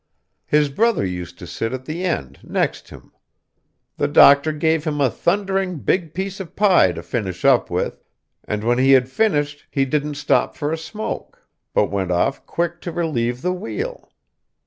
His brother used to sit at the end, next him. The doctor gave him a thundering big piece of pie to finish up with, and when he had finished he didn't stop for a smoke, but went off quick to relieve the wheel.